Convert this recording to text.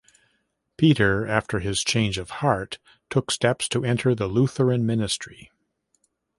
Peter after his "change of heart" took steps to enter the Lutheran ministry.